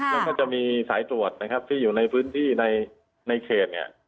แล้วก็จะมีสายตรวจนะครับที่อยู่ในพื้นที่ในเขตเนี่ย